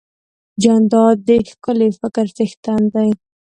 جانداد د ښکلي فکر څښتن دی.